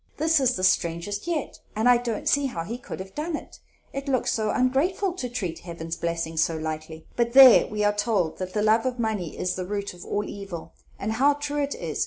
This is the strangest yet, and I don't see how he could have done it; it looks so ongrateful to treat Heaven's blessings so lightly. But there, we are told that the love of money is the root of all evil, and how true it is!